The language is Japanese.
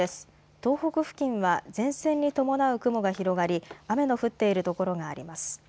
東北付近は前線に伴う雲が広がり雨の降っている所があります。